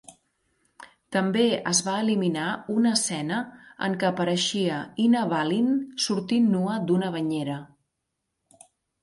També es va eliminar una escena en què apareixia Ina Balin sortint nua d'una banyera.